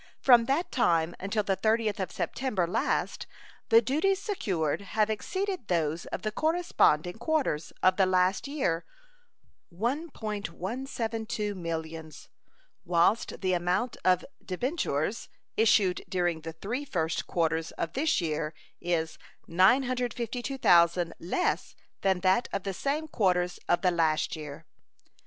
From that time until the 30th of September last the duties secured have exceeded those of the corresponding quarters of the last year $1.172 millions, whilst the amount of debentures issued during the three first quarters of this year is $952,000 less than that of the same quarters of the last year.